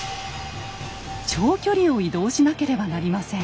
長距離を移動しなければなりません。